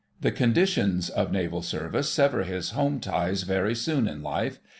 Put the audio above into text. The conditions of Naval Service sever his home ties very soon in life.